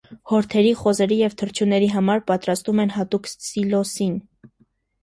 Հորթերի, խոզերի և թռչունների համար պատրաստում են հատուկ սիլոսին։